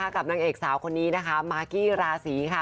กับนางเอกสาวคนนี้นะคะมากกี้ราศีค่ะ